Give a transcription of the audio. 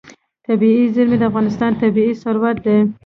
طبیعي زیرمې د افغانستان طبعي ثروت دی.